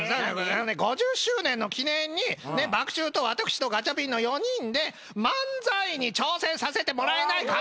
５０周年の記念に爆チューと私とガチャピンの４人で漫才に挑戦させてもらえないかな？